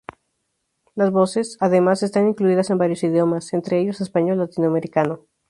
Las voces, además, están incluidas en varios idiomas, entre ellos español latinoamericano.